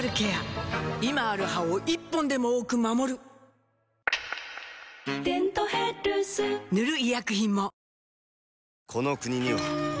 今ある歯を１本でも多く守る「デントヘルス」塗る医薬品も